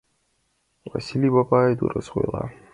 — Васлий бабай дурыс ойла!